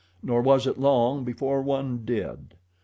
Nor was it long before one did.